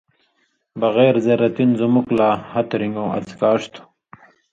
بغیر زرتی (ضرورتی) نہ زُمُک لا ہَتہۡ رِن٘گؤں اڅھکاݜ تھُو۔